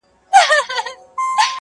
زه په دې افتادګۍ کي لوی ګَړنګ یم.